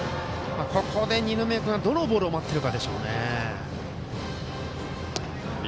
ここで二宮君がどのボールを待っているかでしょうね。